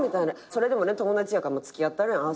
それでも友達やから付き合ったるやん。